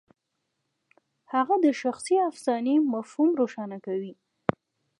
هغه د شخصي افسانې مفهوم روښانه کوي.